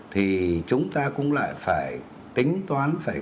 thì chúng ta cũng lại phải tính toán